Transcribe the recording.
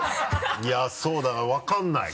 いやそうだな分かんない。